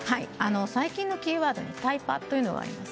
最近のキーワードでタイパというのがあります。